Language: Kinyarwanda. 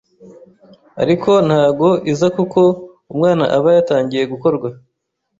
ariko ntago iza kuko umwana aba yatangiye gukorwa.